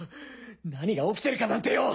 何が起きてるかなんてよ！